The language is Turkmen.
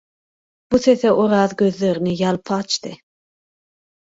Bu sese Oraz gözlerini ýalpa açdy.